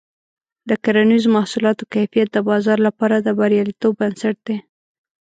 د کرنیزو محصولاتو کیفیت د بازار لپاره د بریالیتوب بنسټ دی.